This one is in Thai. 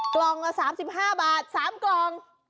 กล่องละ๓๕บาท๓กล่อง